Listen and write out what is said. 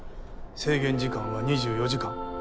制限時間は２４時間。